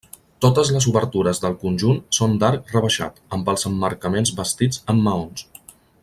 Totes les obertures del conjunt són d'arc rebaixat, amb els emmarcaments bastits amb maons.